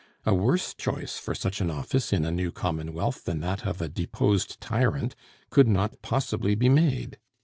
A worse choice for such an office in a new commonwealth than that of a deposed tyrant could not possibly be made.